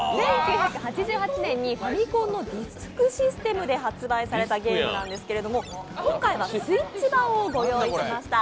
１９８８年にファミコンのディスクシステムで発売されたゲームなんですけれども今回はＳｗｉｔｃｈ版をご用意しました。